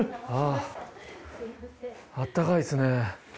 あああったかいですね。